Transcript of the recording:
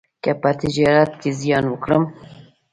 که په تجارت کې زیان وکړم،